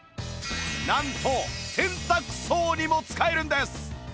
なんと洗濯槽にも使えるんです！